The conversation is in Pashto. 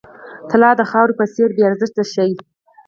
طلا د خاورې په څېر بې ارزښته شي.